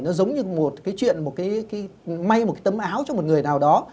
nó giống như một cái chuyện may một cái tấm áo cho một người nào đó